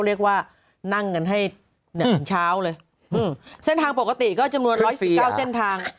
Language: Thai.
เรียกว่านั่งกันให้เหนือต่างเช้าเลยเส้นทางปกติก็จำนวน๑๑๙เส้นทาง